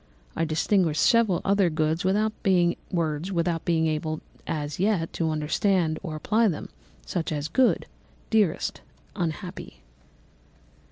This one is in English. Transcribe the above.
I distinguished several other words without being able as yet to understand or apply them, such as _good, dearest, unhappy.